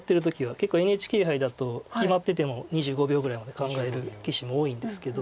結構ＮＨＫ杯だと決まってても２５秒ぐらいまで考える棋士も多いんですけど。